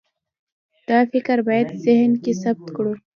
دا فکر باید ذهن کې ثبت کړو.